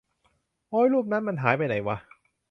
โอ๊ยรูปนั้นมันหายไปไหนวะ